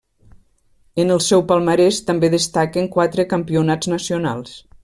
En el seu palmarès també destaquen quatre campionats nacionals.